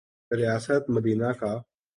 ریاست مدینہ کا۔